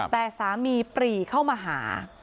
แต่สามีปรีเข้ามาหา